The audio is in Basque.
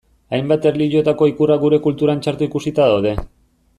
Hainbat erlijiotako ikurrak gure kulturan txarto ikusita daude.